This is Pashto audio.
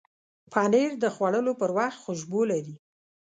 پنېر د خوړلو پر وخت خوشبو لري.